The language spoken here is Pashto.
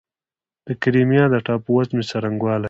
د کریمیا د ټاپووزمې څرنګوالی